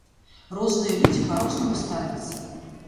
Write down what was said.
Розныя людзі па-рознаму ставяцца.